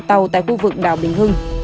tàu tại khu vực đảo bình hưng